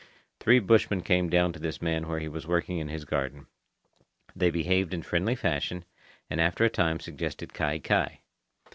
Three bushmen came down to this man where he was working in his garden. They behaved in friendly fashion, and after a time suggested kai kai.